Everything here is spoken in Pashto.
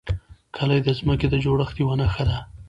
کلي د ځمکې د جوړښت یوه نښه ده.